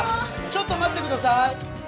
ちょっと待って下さい！